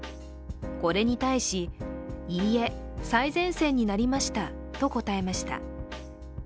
これに対し、いいえ最前線になりました、と答えました。